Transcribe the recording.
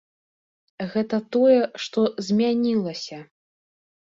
Гэта тое, што змянілася.